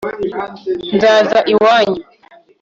nzaza iwanyu